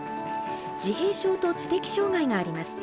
自閉症と知的障害があります。